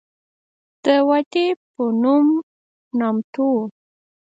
د وادي پنوم نامتو وه.